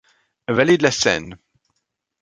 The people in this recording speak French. Vallée de la Seine.